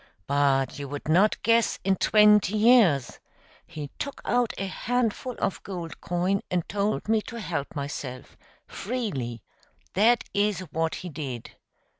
But you would not guess in twenty years. He took out a handful of gold coin and told me to help myself freely. That is what he did."